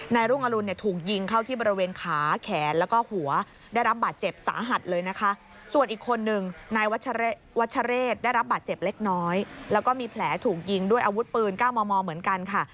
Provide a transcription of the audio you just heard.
รุ่งอรุณเนี่ยถูกยิงเข้าที่บริเวณขาแขนแล้วก็หัวได้รับบาดเจ็บสาหัสเลยนะคะส่วนอีกคนนึงนายวัชเรศได้รับบาดเจ็บเล็กน้อยแล้วก็มีแผลถูกยิงด้วยอาวุธปืน๙มมเหมือนกันค่ะ